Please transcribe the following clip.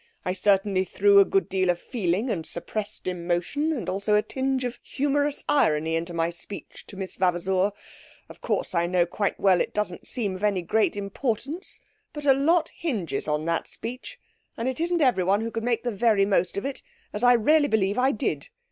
I certainly threw a good deal of feeling and suppressed emotion, and also a tinge of humorous irony into my speech to Miss Vavasour. Of course, I know quite well it doesn't seem of any very great importance, but a lot hinges on that speech, and it isn't everyone who could make the very most of it, as I really believe I did.